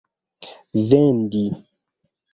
vendi